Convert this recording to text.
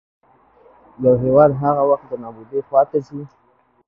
يـو هېـواد هـغه وخـت دې نـابـودۍ خـواتـه ځـي.